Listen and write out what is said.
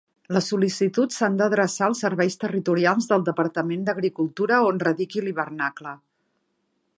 Les sol·licituds s'han d'adreçar als serveis territorials del Departament d'Agricultura on radiqui l'hivernacle.